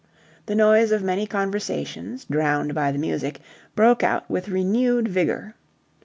The noise of many conversations, drowned by the music, broke out with renewed vigour.